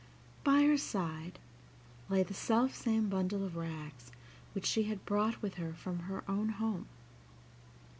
By her side lay the self same bundle of rags which she had brought with her from her own home.